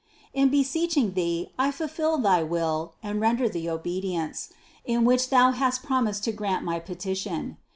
In beseeching Thee I fulfill thy will and render the obe dience, in which Thou hast promised to grant my pe tition.